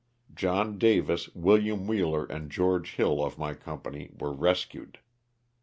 John Davis, William Wheeler and George Hill of my company were rescued.